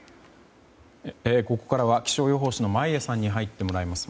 ここからは気象予報士の眞家さんに入ってもらいます。